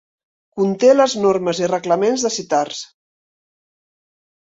Conté les normes i reglaments de Citars.